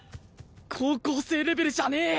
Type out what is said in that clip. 高校生レベルじゃねえ